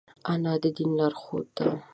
انا د دین لارښوده ده